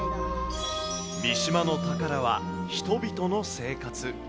三島の宝は人々の生活。